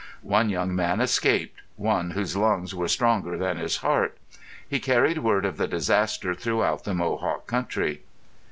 One young man escaped, one whose lungs were stronger than his heart. He carried word of the disaster throughout the Mohawk country.